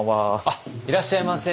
あっいらっしゃいませ。